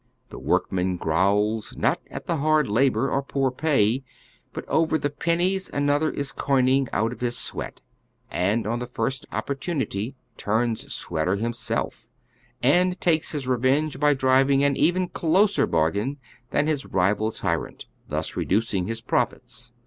The workman growls, not at the hard labor or p5or pay, but over the pennies another is coining out of his sweat, and on the first opportunity turns sweater himself, and takes his re venge by driving an even closer bargain tlian his rival tyrant, thus reducing his profits.